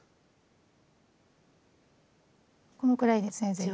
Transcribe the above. このくらいで全然。